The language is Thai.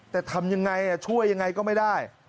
แต่ทำยังไงช่วยยังไงก็ไม่ได้